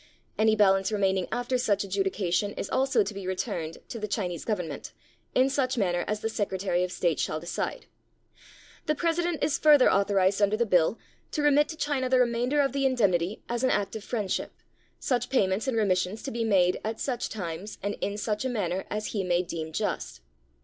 Any balance remaining after such adjudication is also to be returned to the Chi nese Government, in such manner as the Secretary of State shall decide. The President is further authorized under the Bill to remit to China the remainder of the indemnity as an act 257 CHINA of friendship, such payments and remissions to be made at such times and in such a manner as he may deem just.